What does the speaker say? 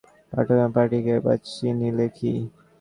পাঠক এবং পাঠিকা, এবার চিনিলে কি।